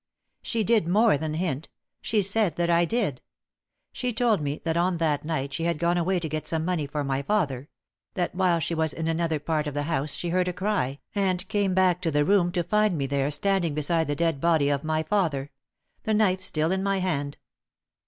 "She did more than hint. She said that I did. She told me that on that night she had gone away to get some money for my father; that while she was in another part of the house she heard a cry, and came back to the room to find me there standing beside the dead body of my father the knife still in my hand.